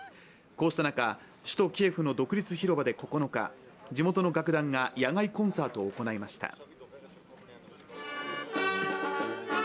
こうした中、首都キエフの独立広場で９日、地元の楽団が野外コンサートを行いました。